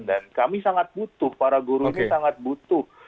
dan kami sangat butuh para guru ini sangat butuh